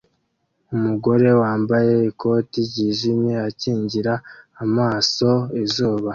Umugore wambaye ikote ryijimye akingira amaso izuba